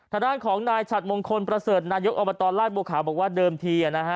ทางด้านของนายฉัดมงคลประเสริฐนายกอบตราชบัวขาวบอกว่าเดิมทีนะฮะ